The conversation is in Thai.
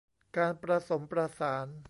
การประสมประสาน